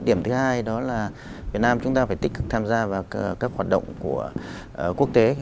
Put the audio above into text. điểm thứ hai đó là việt nam chúng ta phải tích cực tham gia vào các hoạt động của quốc tế